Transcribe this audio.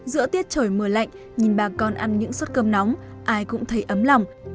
giữa tiết trời mưa lạnh nhìn bà con ăn những suất cơm nóng ai cũng thấy ấm lòng